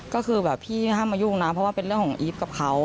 ก็คือแบบพี่ห้ามมายุ่งนะเพราะว่าเป็นเรื่องของอีฟกับเขา